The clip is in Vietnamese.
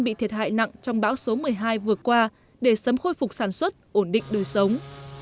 bị thiệt hại nặng trong bão số một mươi hai vừa qua để sớm khôi phục sản xuất ổn định đời sống